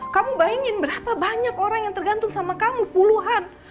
kamu bayangin berapa banyak orang yang tergantung sama kamu puluhan